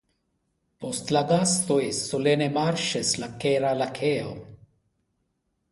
Post la gastoj solene marŝis la Kera Lakeo.